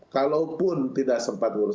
kalaupun tidak sempat mengurus